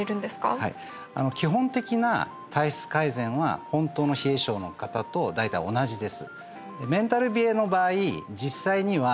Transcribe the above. はい基本的な体質改善は本当の冷え症の方と大体同じです